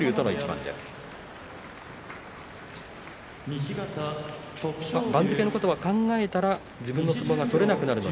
番付のことは、考えたら自分の相撲が取れなくなる。